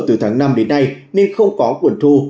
từ tháng năm đến nay nên không có nguồn thu